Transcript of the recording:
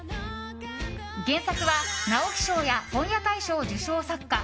原作は直木賞や本屋大賞受賞作家